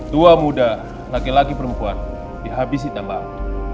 tua muda laki laki perempuan dihabisi tanpa amat